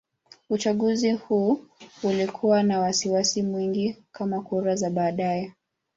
Uchaguzi huu ulikuwa na wasiwasi mwingi kama kura za baadaye.